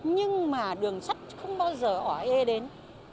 nhưng mà đường sắt không bao giờ hỏi ê đến